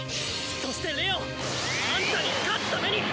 そしてレオンアンタに勝つために！